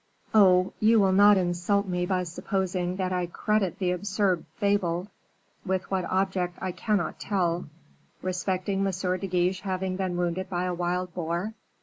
"Oh, you will not insult me by supposing that I credit the absurd fable, with what object I cannot tell, respecting M. de Guiche having been wounded by a wild boar.